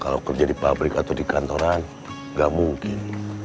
kalau kerja di pabrik atau di kantoran nggak mungkin